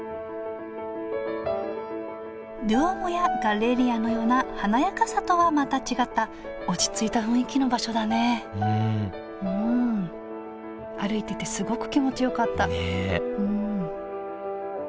ドゥオーモやガッレリアのような華やかさとはまた違った落ち着いた雰囲気の場所だねうん歩いててすごく気持ちよかったねえ